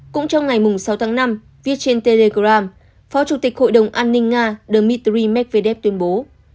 cũng trong ngày sáu tháng năm viết trên telegram phó chủ tịch hội đồng an ninh nga dmitry medvedev tuyên bố